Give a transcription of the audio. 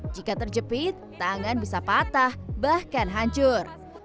jika terjepit tangan bisa patah bahkan hancur